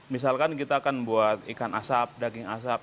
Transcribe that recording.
misalkan kita akan buat ikan asap daging asap